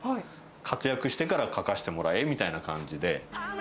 活躍してから書かせてもらえみたいな感じで。